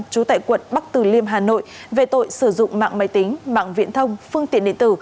trú tại quận bắc từ liêm hà nội về tội sử dụng mạng máy tính mạng viễn thông phương tiện điện tử